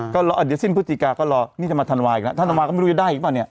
ก็รออ่าเดี๋ยวสิ้นพุธจิกาก็รอนี่จะมาทันวายอีกแล้วทันวายก็ไม่รู้จะได้อีกป่ะเนี่ย